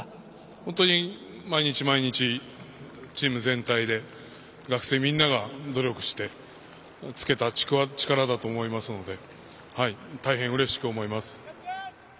本当に毎日毎日チーム全体で学生みんなが努力してつけた力だと思いますので大変うれしく思います。